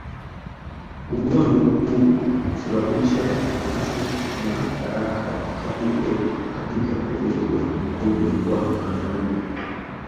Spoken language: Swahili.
Ugonjwa huu husababisha muwasho na karaha katika uke katika mfereji wa mkojo kwa wanaume